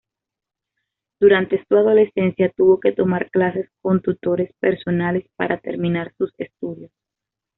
Durante su adolescencia tuvo que tomar clases con tutores personales para terminar sus estudios.